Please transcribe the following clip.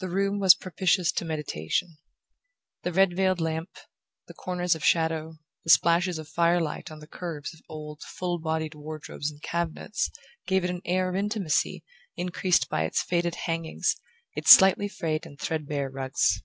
The room was propitious to meditation. The red veiled lamp, the corners of shadow, the splashes of firelight on the curves of old full bodied wardrobes and cabinets, gave it an air of intimacy increased by its faded hangings, its slightly frayed and threadbare rugs.